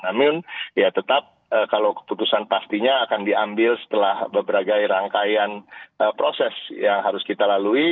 namun ya tetap kalau keputusan pastinya akan diambil setelah beberapa rangkaian proses yang harus kita lalui